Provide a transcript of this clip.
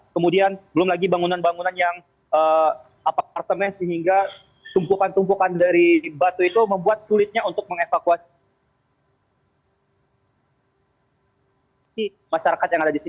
kemudian belum lagi bangunan bangunan yang apartemen sehingga tumpukan tumpukan dari batu itu membuat sulitnya untuk mengevakuasi masyarakat yang ada di sini